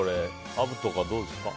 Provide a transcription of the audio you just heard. アブとかどうですか？